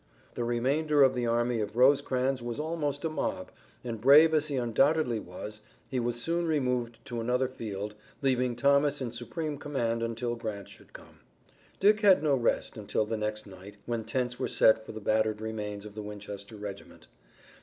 The remainder of the army of Rosecrans was almost a mob, and brave as he undoubtedly was he was soon removed to another field, leaving Thomas in supreme command until Grant should come. Dick had no rest until the next night, when tents were set for the battered remains of the Winchester regiment.